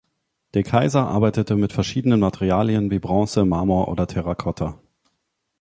De Keyser arbeitete mit verschiedenen Materialien, wie Bronze, Marmor oder Terracotta.